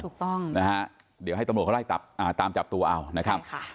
ถูกต้องนะฮะเดี๋ยวให้ตำรวจเขาไล่ตามจับตัวเอานะครับ